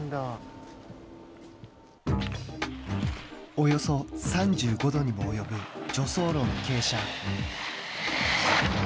およそ３５度にも及ぶ助走路の傾斜。